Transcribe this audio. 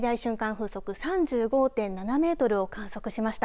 風速３５．７メートルを観測しました。